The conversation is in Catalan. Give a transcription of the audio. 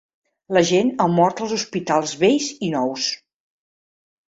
La gent ha mort als hospitals vells i nous.